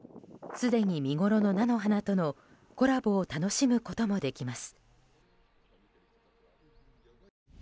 すでに見ごろの菜の花とのコラボを楽しむこともできます。